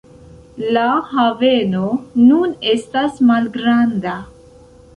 La haveno nun estas malgranda.